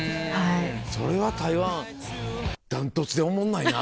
それは台湾断トツでおもんないな。